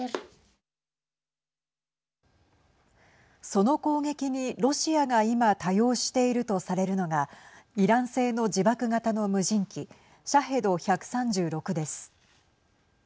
その攻撃にロシアが今多用しているとされるのがイラン製の自爆型の無人機シャヘド１３６です。